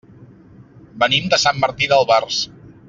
Venim de Sant Martí d'Albars.